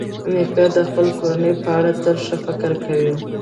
نیکه د خپلې کورنۍ په اړه تل ښه فکر کوي.